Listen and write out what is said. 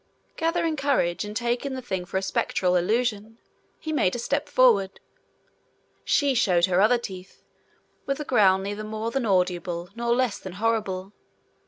Gathering courage, and taking the thing for a spectral illusion, he made a step forward. She showed her other teeth, with a growl neither more than audible nor less than horrible.